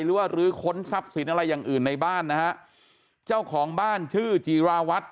หรือว่ารื้อค้นทรัพย์สินอะไรอย่างอื่นในบ้านนะฮะเจ้าของบ้านชื่อจีราวัตร